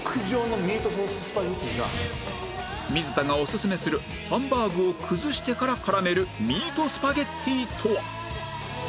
水田がおすすめするハンバーグを崩してから絡めるミートスパゲッティとは？